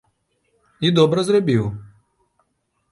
- I добра зрабiў!